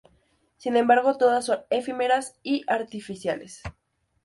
Sin embargo, todas son efímeras y artificiales.